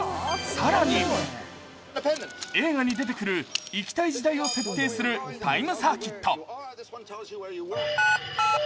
更に、映画に出てくる行きたい時代を設定するタイムサーキット。